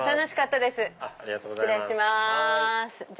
失礼します。